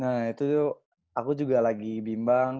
nah itu tuh aku juga lagi bimbang